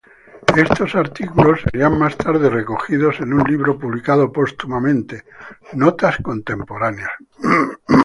Estos artículos serían más tarde recogidos en un libro publicado póstumamente, "Notas contemporáneas".